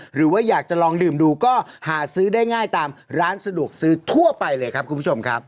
หรือว่าอยากจะลองดื่มดูก็หาซื้อได้ง่ายตามร้านสะดวกซื้อทั่วไปเลยครับคุณผู้ชมครับ